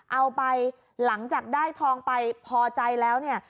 เอาไปหลังจากได้ทองไปพอใจแล้วเนี่ย